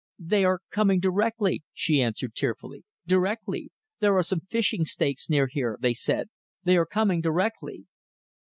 "They are coming directly," she answered, tearfully. "Directly. There are some fishing stakes near here they said. They are coming directly."